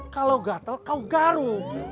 kalau gatel kau garu